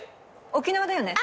沖縄だよね。